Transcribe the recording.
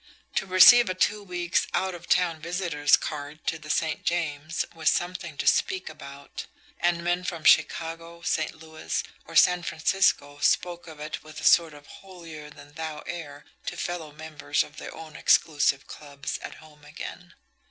To receive a two weeks' out of town visitor's card to the St. James was something to speak about, and men from Chicago, St. Louis, or San Francisco spoke of it with a sort of holier than thou air to fellow members of their own exclusive clubs, at home again.